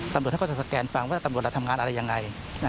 ตำรวจจะสแกนฟังว่าตำรวจรับทำงานอะไรอย่างไร